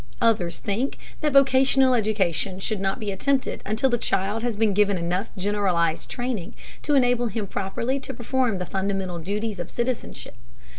Others think that vocational education should not be attempted until the child has been given enough generalized training to enable him properly to perform the fundamental duties of citizenship.